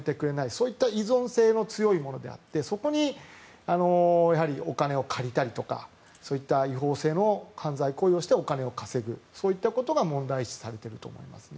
そういった依存性の強いものであってそこにお金を借りたりとかそういった違法性の犯罪行為をしてお金を稼ぐ、そういったことが問題視されていると思います。